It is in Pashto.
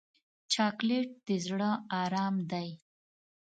چاکلېټ د زړه ارام دی.